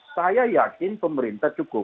saya yakin pemerintah cukup